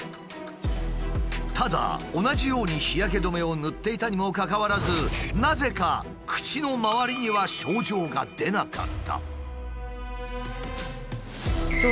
ただ同じように日焼け止めを塗っていたにもかかわらずなぜか口のまわりには症状が出なかった。